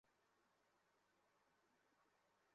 তুমি কি এভাবে উচ্চপদস্থ কর্মকর্তার সাথে কথা বলবে?